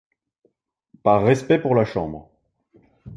Par respect pour la Chambre.